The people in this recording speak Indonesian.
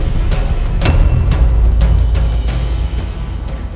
tidak ada akan yang mengenaliku lagi